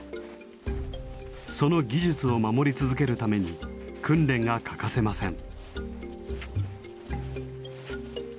その技術を守り続けるために訓練が欠かせません。